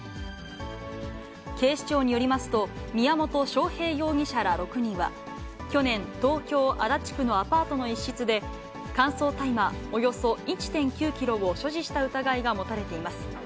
警視庁によりますと、宮本晶平容疑者ら６人は、去年、東京・足立区のアパートの一室で、乾燥大麻およそ１．９キロを所持した疑いが持たれています。